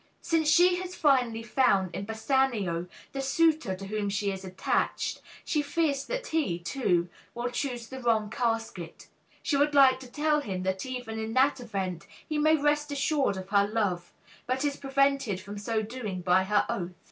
Since she has finally found in Bassanio the suitor to whom she is attached, she fears that he, too, will choose the wrong casket. She would like to tell him that even in that event he may rest assured of her love, but is prevented from so doing by her oath.